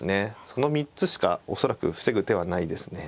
その３つしか恐らく防ぐ手はないですね。